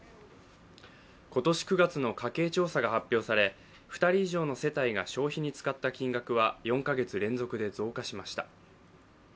今年９月の家計調査が発表され２人以上の世帯が消費に使った金額は４か月連続で増加しました。